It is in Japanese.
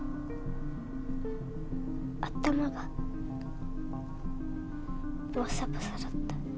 頭がボサボサだった。